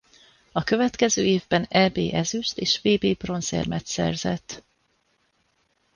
A következő évben Eb ezüst- és vb bronzérmet szerzett.